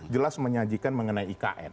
jelas menyajikan mengenai ikn